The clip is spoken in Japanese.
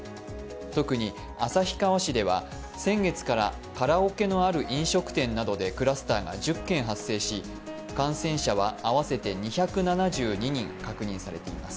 特に旭川市では先月からカラオケのある飲食店などでクラスターが１０件発生し、感染者は合わせて２７２人確認されています。